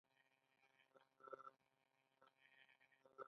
هغه د نوي هند معمار بلل کیږي.